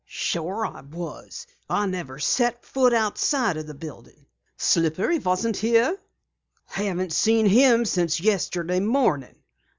"Sure, I was. I never set foot outside the building." "Slippery wasn't here?" "Haven't seen him since yesterday morning."